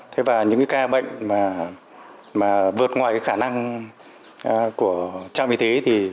thế và những cái ca bệnh mà vượt ngoài cái khả năng của trạm y tế